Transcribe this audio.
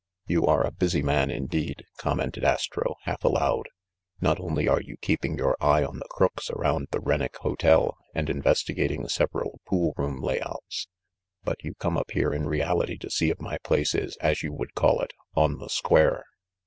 "You are a busy man indeed," commented Astro, half aloud. "Not only are you keeping your eye on the crooks around the Rennick Hotel, and investigating several pool room layouts, but you come up here in reality to see if my place is, as you would call it, 'on the square'.